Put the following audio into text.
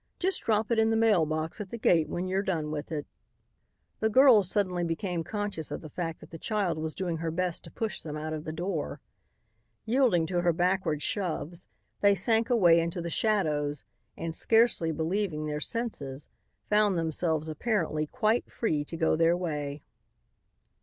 Just drop it in the mail box at the gate when you're done with it." The girls suddenly became conscious of the fact that the child was doing her best to push them out of the door. Yielding to her backward shoves, they sank away into the shadows and, scarcely believing their senses, found themselves apparently quite free to go their way.